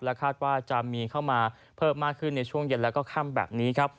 คาดว่าจะมีเข้ามาเพิ่มมากขึ้นในช่วงเย็นแล้วก็ค่ำแบบนี้ครับ